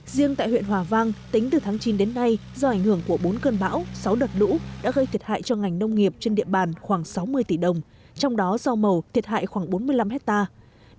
riêng tại huyện hòa vang tính từ tháng chín đến nay do ảnh hưởng của bốn cơn bão sáu đợt lũ đã gây thiệt hại cho ngành nông nghiệp trên địa bàn khoảng sáu mươi tỷ đồng trong đó do màu thiệt hại khoảng bốn mươi năm hectare